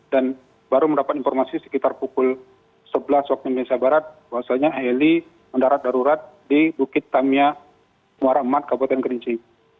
dan baru mendapat informasi sekitar pukul sebelas waktu indonesia barat bahwasanya heli mendarat darurat di bukit tamiah muara amat kabupaten kerinci